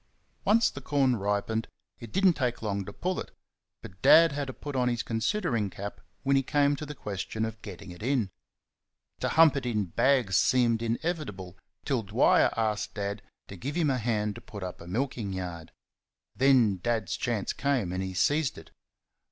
Once the corn ripened it did n't take long to pull it, but Dad had to put on his considering cap when we came to the question of getting it in. To hump it in bags seemed inevitable till Dwyer asked Dad to give him a hand to put up a milking yard. Then Dad's chance came, and he seized it.